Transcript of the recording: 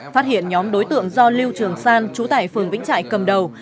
phát hiện nhóm đối tượng do lưu trường san chú tại phường vĩnh trại cầm đầu